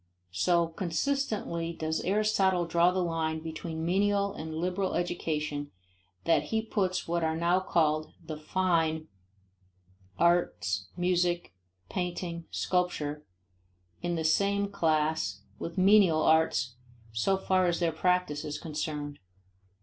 So consistently does Aristotle draw the line between menial and liberal education that he puts what are now called the "fine" arts, music, painting, sculpture, in the same class with menial arts so far as their practice is concerned.